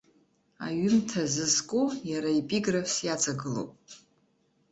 Аҩымҭа зызку иара епиграфс иаҵагылоуп.